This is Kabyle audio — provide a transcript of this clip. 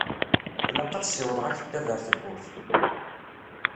Ilaq ad ssiwḍeɣ akeddab ar tewwurt.